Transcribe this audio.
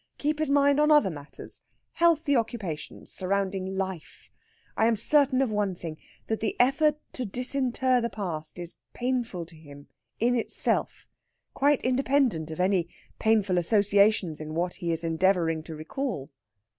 Keep his mind on other matters healthy occupations, surrounding life. I am certain of one thing that the effort to disinter the past is painful to him in itself, quite independent of any painful associations in what he is endeavouring to recall."